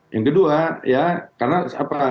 yang kedua ya karena apa